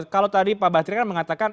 kalau tadi pak badrikan mengatakan